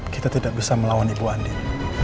kita tidak bisa melawan ibu andi